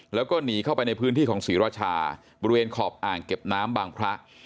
แล้วก็หนีเข้าไปในพื้นที่ของศรีราชาบริเวณขอบอ่างเก็บน้ำบางพระ